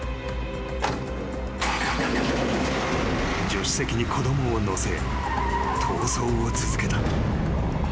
［助手席に子供を乗せ逃走を続けた］